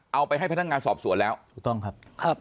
เอาไปให้พนักงานสอบสวนแล้วถูกต้องครับ